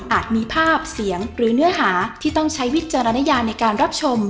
มีภาพเสียงหรือเนื้อหาที่ต้องใช้วิจารณญาในการรับชม